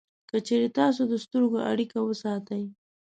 که چېرې تاسې د سترګو اړیکه وساتئ